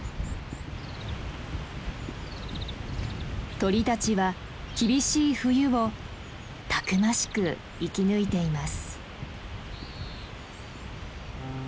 鳥たちは厳しい冬をたくましく生き抜いています。